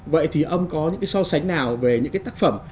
vậy thì ông có những so sánh nào về những tác phẩm